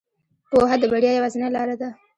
پوهه د بریا یوازینۍ لاره ده.